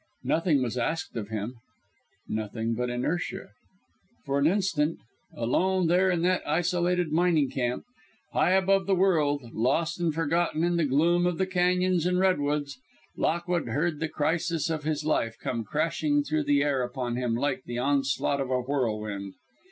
Nothing was asked of him nothing but inertia. For an instant, alone there in that isolated mining camp, high above the world, lost and forgotten in the gloom of the cañons and redwoods, Lockwood heard the crisis of his life come crashing through the air upon him like the onslaught of a whirlwind.